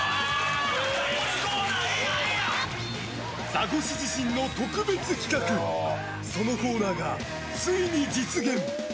ザコシ自身の特別企画そのコーナーがついに実現！